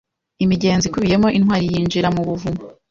imigenzo ikubiyemo intwari yinjira mu buvumo